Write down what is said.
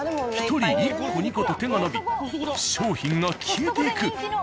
１人１個２個と手が伸び商品が消えていく。